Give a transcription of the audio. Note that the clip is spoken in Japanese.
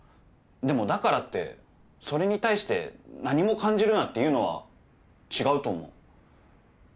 でもだからってそれに対して何も感じるなっていうのは違うと思う。